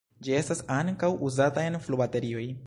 Ĝi estas ankaŭ uzata en flubaterioj.